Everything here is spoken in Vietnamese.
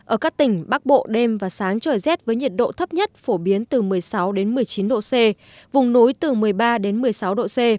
ở các tỉnh bắc bộ đêm và sáng trời rét với nhiệt độ thấp nhất phổ biến từ một mươi sáu đến một mươi chín độ c vùng núi từ một mươi ba đến một mươi sáu độ c